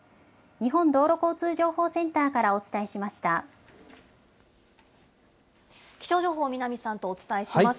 日本道路交通情報センターからお気象情報、南さんとお伝えします。